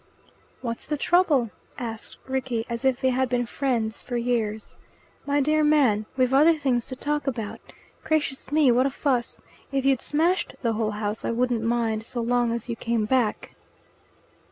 "What's the trouble?" asked Rickie, as if they had been friends for years. "My dear man, we've other things to talk about. Gracious me, what a fuss! If you'd smashed the whole house I wouldn't mind, so long as you came back."